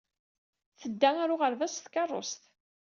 Tedda ɣer uɣerbaz s tkeṛṛust.